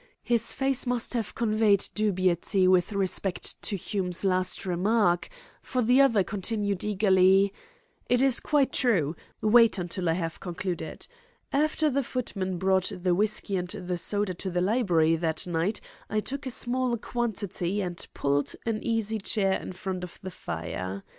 His face must have conveyed dubiety with respect to Hume's last remark, for the other continued eagerly: "It is quite true. Wait until I have concluded. After the footman brought the whisky and soda to the library that night I took a small quantity, and pulled an easy chair in front of the fire.